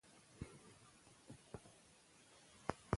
سلامونه نیکې هیلې او احترامات.